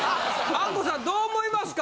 あっこさんどう思いますか？